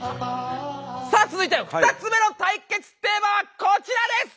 さあ続いては２つ目の対決テーマはこちらです！